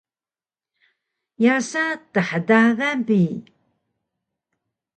yasa thdagan bi